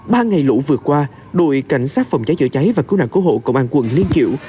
ba ngày lũ vừa qua đội cảnh sát phòng cháy chữa cháy và cứu nạn cứu hộ cộng an quân liên chiểu